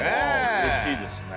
うれしいですね。